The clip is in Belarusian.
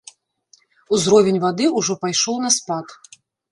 Узровень вады ўжо пайшоў на спад.